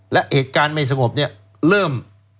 และเหตุการณ์ไม่สงบเนี่ยเริ่ม